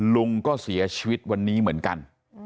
ลุงก็เสียชีวิตวันนี้เหมือนกัน